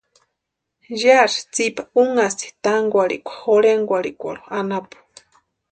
Yásï tsïpa únasti tánkwarhikwa Jorhenkwarhikwarhu anapu.